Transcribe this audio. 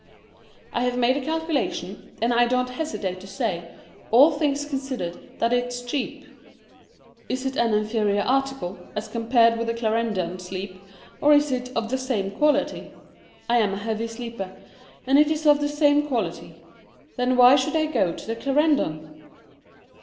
I have made a calculation, and I don't hesitate to say, all things considered, that it's cheap. Is it an inferior article, as compared with the Clarendon sleep, or is it of the same quality? I am a heavy sleeper, and it is of the same quality. Then why should I go to the Clarendon?